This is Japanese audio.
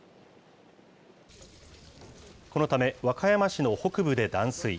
このため、和歌山市の北部で断水。